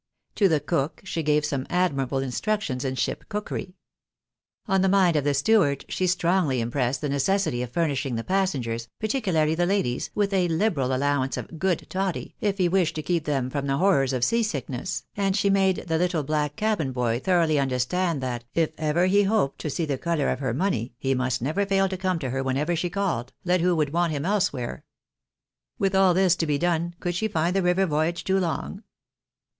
To the cook she gave some admirable instructions in ship cookery. On the mind of the steward she strongly impressed JJUJN JiSFAKTlCKO CHKISTININO TORNORINO 29 the necessity of furnishing the passengers, particularly the ladies, with a liberal allowance of good toddy if he wished to keep them, from the horrors of sea sickness ; arid she made the little black cabin boy thoroughly understand that, if ever he hoped to see the colour of her money, he must never fail to come to her whenever she called, let who would want him elsewhere. With all this to be done, could she find the river voyage too long?